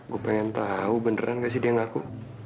gue pengen tahu beneran gak sih dia ngaku